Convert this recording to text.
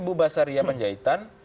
bu basaria panjaitan